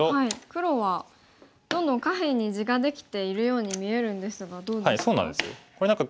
黒はどんどん下辺に地ができているように見えるんですがどうですか？